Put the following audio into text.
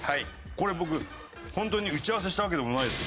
これ僕本当に打ち合わせしたわけでもないですよ。